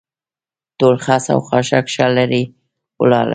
ټول خس او خاشاک ښه لرې ولاړل.